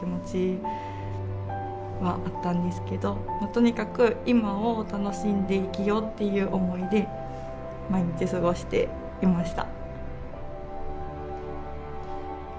とにかく今を楽しんで生きようっていう思いで毎日過ごしていました。